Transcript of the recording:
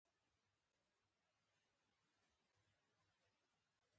په دي ميتود کي د زده کوونکو استعدادونه ارزول کيږي.